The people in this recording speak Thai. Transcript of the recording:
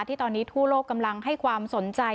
ที่ตอนนี้ทั่วโลกกำลังให้ความสนใจ